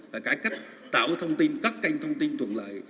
phải cải cách tạo thông tin cắt canh thông tin thuận lợi